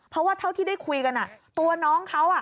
เพราะว่าเท่าที่ได้คุยกันตัวน้องเขา